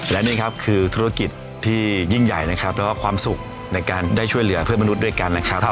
และนี่ครับคือธุรกิจที่ยิ่งใหญ่นะครับแล้วก็ความสุขในการได้ช่วยเหลือเพื่อนมนุษย์ด้วยกันนะครับ